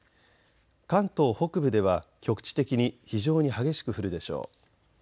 関東北部では局地的に非常に激しく降るでしょう。